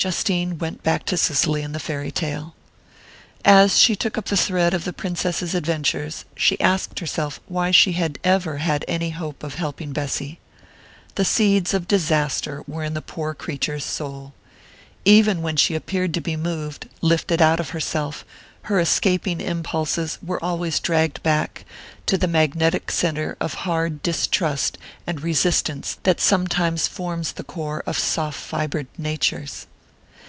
Justine went back to Cicely and the fairy tale. As she took up the thread of the Princess's adventures, she asked herself why she had ever had any hope of helping Bessy. The seeds of disaster were in the poor creature's soul.... Even when she appeared to be moved, lifted out of herself, her escaping impulses were always dragged back to the magnetic centre of hard distrust and resistance that sometimes forms the core of soft fibred natures.